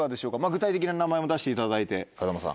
具体的な名前も出していただいて風間さん。